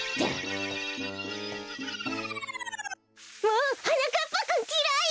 もうはなかっぱくんきらい！